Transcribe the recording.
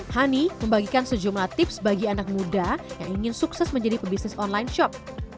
hani membagikan sejumlah tips bagi anak muda yang ingin sukses menjadi pebisnis online shop